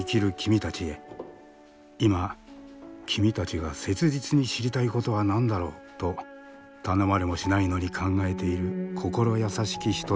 「今君たちが切実に知りたいことは何だろう？」と頼まれもしないのに考えている心優しき人たちがいる。